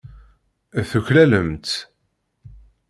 Tuklalemt.